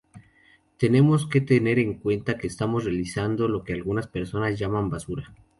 Tenemos que tener en cuenta que estamos reutilizando lo que algunas personas llaman basura.